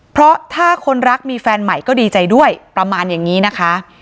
เพราะถ้าคนรักมีแฟนใหม่ก็ดีใจด้วยประมาณอย่างนี้นะคะ